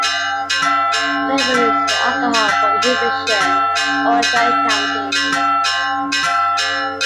Cleburne is an alcohol prohibition or dry county.